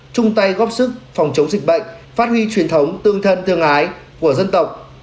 chung tay góp sức phòng chống dịch bệnh phát huy truyền thống tương thân tương ái của dân tộc